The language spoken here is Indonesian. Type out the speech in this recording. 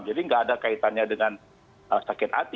jadi tidak ada kaitannya dengan sakit hati